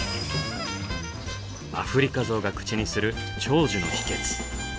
アフリカゾウが口にする長寿の秘訣。